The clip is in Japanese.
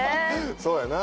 そうやな。